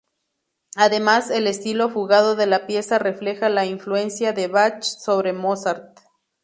Además, el estilo fugado de la pieza refleja la influencia de Bach sobre Mozart.